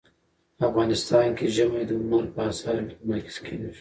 افغانستان کې ژمی د هنر په اثار کې منعکس کېږي.